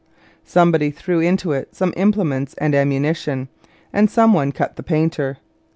Somebody threw into it some implements and ammunition, and some one cut the painter.